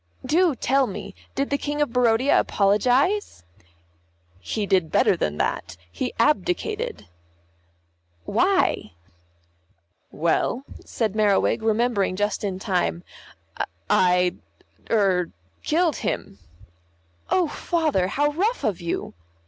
"Do tell me, did the King of Barodia apologise?" "He did better than that, he abdicated." "Why?" "Well," said Merriwig, remembering just in time, "I er killed him." "Oh, Father, how rough of you."